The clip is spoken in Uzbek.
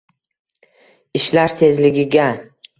ishlash tezligiga